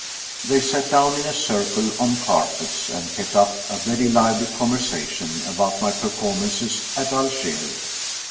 They sat down in a circle on carpets and kept up a very lively conversation about my performances at Algiers.